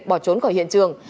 bỏ trốn khỏi hiện trường